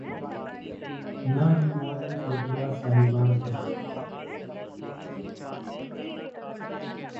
نہ ہی معزز وکلا صاحبان کے۔